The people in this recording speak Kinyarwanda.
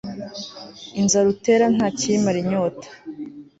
inzara utera nta kiyimara inyota